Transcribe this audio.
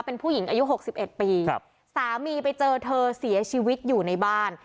เป็นผู้หญิงอายุหกสิบเอ็ดปีครับสามีไปเจอเธอเสียชีวิตอยู่ในบ้าน